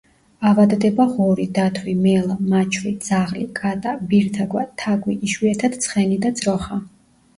ავადდება ღორი, დათვი, მელა, მაჩვი, ძაღლი, კატა, ვირთაგვა, თაგვი, იშვიათად ცხენი და ძროხა.